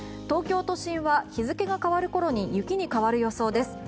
東京都心は日付が変わる頃に雪に変わる予想です。